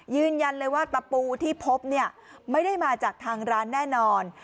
ยืนยันเลยว่าตะปูที่พบเนี่ยไม่ได้มาจากทางร้านแน่นอน